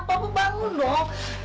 pak bangun dong